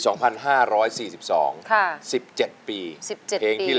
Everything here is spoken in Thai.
ทุกคนนี้ก็ส่งเสียงเชียร์ทางบ้านก็เชียร์